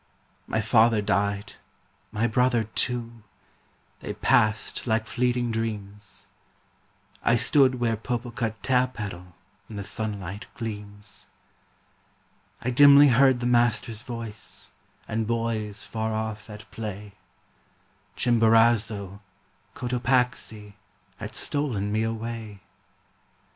My father died, my brother too, They passed like fleeting dreams. I stood where Popocatapetl In the sunlight gleams. I dimly heard the Master's voice And boys far off at play, Chimborazo, Cotopaxi Had stolen me away.